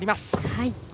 はい。